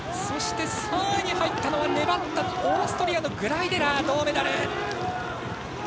そして、３位に入ったのは粘ったオーストリアのグライデラー銅メダル。